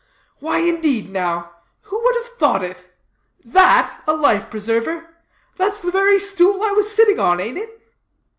"Why, indeed, now! Who would have thought it? that a life preserver? That's the very stool I was sitting on, ain't it?"